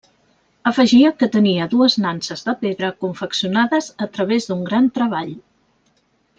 Afegia que tenia dues nanses de pedra confeccionades a través d'un gran treball.